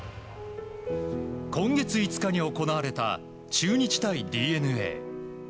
今月５日に行われた中日対ＤｅＮＡ。